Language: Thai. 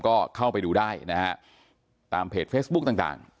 ก็เข้าไปดูได้นะครับตามเพจเฟซบุ๊คต่าง